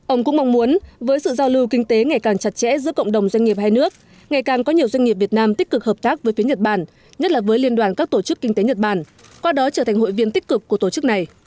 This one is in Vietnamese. ông cũng mong muốn với sự giao lưu kinh tế ngày càng chặt chẽ giữa cộng đồng doanh nghiệp hai nước ngày càng có nhiều doanh nghiệp việt nam tích cực hợp tác với phía nhật bản nhất là với liên đoàn các tổ chức kinh tế nhật bản qua đó trở thành hội viên tích cực của tổ chức này